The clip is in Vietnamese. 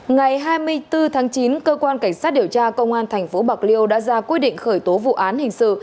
ngày hai mươi bốn tháng chín cơ quan cảnh sát điều tra công an thành phố bạc liêu đã ra quy định khởi tố vụ án hình sự